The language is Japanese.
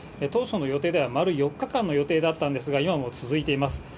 当初の予定では丸４日間の予定だったんですが、今も続いています。